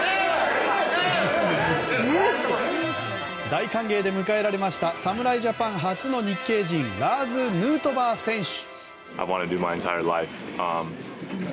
大歓迎で迎えられた侍ジャパン初の日系人ラーズ・ヌートバー選手。